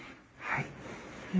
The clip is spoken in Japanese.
はい。